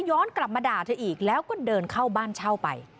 ย้อนกลับมาด่าเธออีกแล้วก็เดินเข้าบ้านเช่าไป